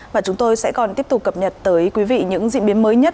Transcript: và chúng tôi sẽ còn tiếp tục cập nhật tới quý vị những diễn biến mới nhất